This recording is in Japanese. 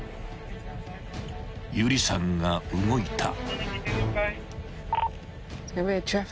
［有理さんが動いた］